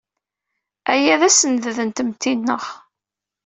Aya d assended n tmetti-nneɣ.